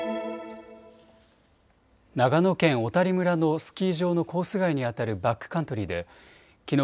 長野県小谷村のスキー場のコース外にあたるバックカントリーできのう